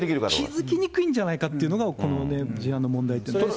気付きにくいんじゃないかというのがこの事案の問題という。